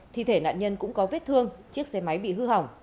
thi thể nạn nhân cũng có vết thương chiếc xe máy bị hư hỏng